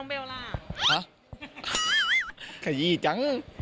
ฮะขยีจัง